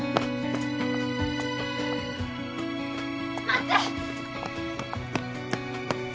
待って！